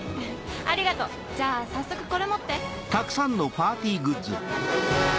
ありがとうじゃあ早速これ持って。